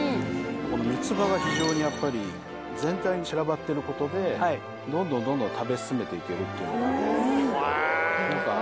三つ葉が非常にやっぱり全体に散らばってることでどんどんどんどん食べ進めて行けるというのが何か。